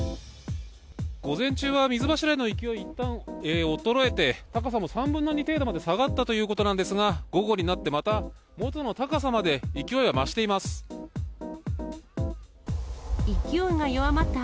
午前中は水柱の勢い、いったん衰えて、高さも３分の２程度まで下がったということなんですが、午後になってまた元の高さまで勢いが増しています。